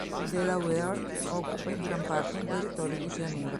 Il Delaware occupa in gran parte un territorio di pianura.